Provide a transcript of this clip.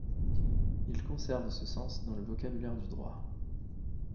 Il conserve ce sens dans le vocabulaire du droit.